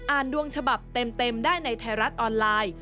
ดวงฉบับเต็มได้ในไทยรัฐออนไลน์